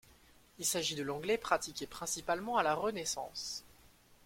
Il s’agit de l’anglais pratiqué principalement à la Renaissance.